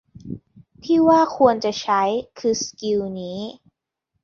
ที่ว่าควรจะใช้ คือสกิลนี้